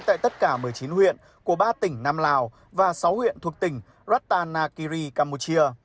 tại tất cả một mươi chín huyện của ba tỉnh nam lào và sáu huyện thuộc tỉnh ratanakiri campuchia